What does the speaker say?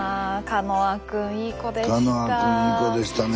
カノアくんいい子でしたね。